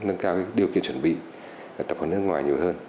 nâng cao điều kiện chuẩn bị tập huấn nước ngoài nhiều hơn